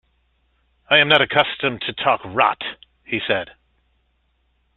'I am not accustomed to talk rot,' he said.